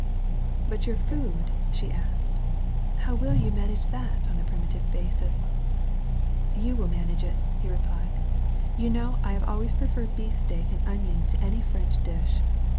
"But your food," she asked, "how will you manage that on a primitive basis?" "You will manage it," he replied, "you know I have always preferred beefsteak and onions to any French dish.